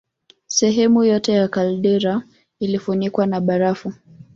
Sehemu yote ya kaldera ilifunikwa na barafu